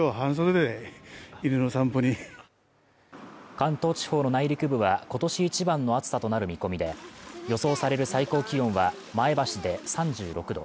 関東地方の内陸部は今年一番の暑さとなる見込みで、予想される最高気温は前橋で３６度。